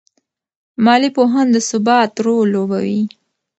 مالي پوهان د ثبات رول لوبوي.